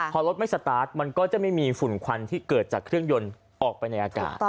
พอรถไม่สตาร์ทมันก็จะไม่มีฝุ่นควันที่เกิดจากเครื่องยนต์ออกไปในอากาศ